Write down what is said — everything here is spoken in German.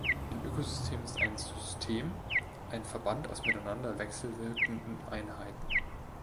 Ein Ökosystem ist ein "System", ein Verband aus miteinander wechselwirkenden Einheiten.